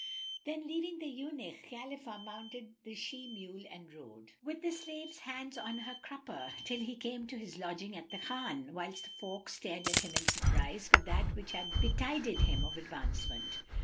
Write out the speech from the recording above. [FN#259] Then leaving the eunuch, Khalifah mounted his she mule and rode, with the slaves' hands on her crupper, till he came to his lodging at the Khan, whilst the folk stared at him in surprise for that which had betided him of advancement.